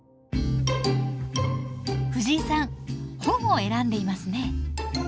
フジイさん本を選んでいますね。